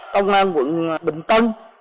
công an quận bình tân